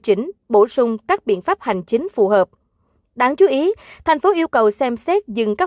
chỉnh bổ sung các biện pháp hành chính phù hợp đáng chú ý thành phố yêu cầu xem xét dừng các